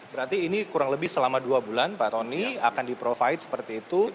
berarti ini kurang lebih selama dua bulan pak tony akan di provide seperti itu